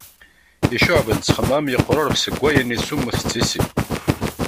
Iccuɛben ttexmam yeqruref seg wayen isummet d tissi.